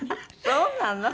そうなの？